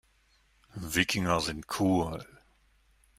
Wikinger sind cool.